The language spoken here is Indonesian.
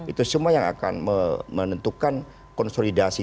itu semua yang akan menentukan konsolidasi